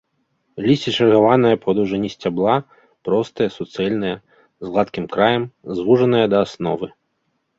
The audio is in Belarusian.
Лісце чаргаванае па даўжыні сцябла, простае, суцэльнае, з гладкім краем, звужанае да асновы.